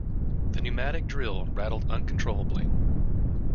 The pneumatic drill rattled uncontrollably.